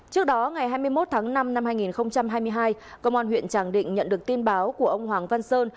trước đó ngày hai mươi một tháng năm năm hai nghìn hai mươi hai công an huyện tràng định nhận được tin báo của ông hoàng văn sơn